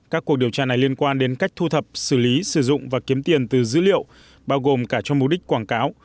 các cuộc điều tra này liên quan đến cách thu thập xử lý sử dụng và kiếm tiền từ dữ liệu bao gồm cả trong mục đích quảng cáo